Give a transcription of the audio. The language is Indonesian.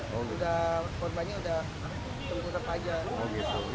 korbannya udah terlintas aja